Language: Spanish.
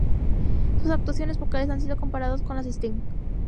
Sus actuaciones vocales han sido comparados con las de Sting.